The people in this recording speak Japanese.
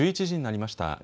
１１時になりました。